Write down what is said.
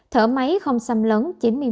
thở máy không xăm lấn chín mươi một